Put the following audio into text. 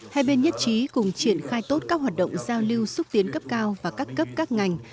hai bên nhất trí cùng triển khai tốt các hoạt động giao lưu xúc tiến cấp cao và các cấp các ngành